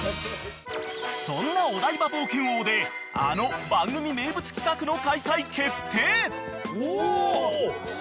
［そんなお台場冒険王であの番組名物企画の開催決定！］